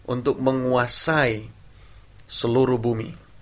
untuk menguasai seluruh bumi